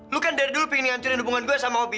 lu kan dari dulu pengen ngancurin hubungan gue sama hobi